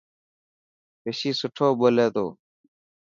رشي سٺو ٻولي تو.